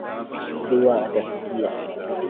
Dua atasikia